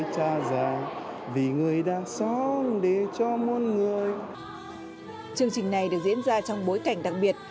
chương trình này được diễn ra trong bối cảnh đặc biệt